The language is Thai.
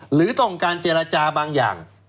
หรือต้องการเจรจาบางอย่าง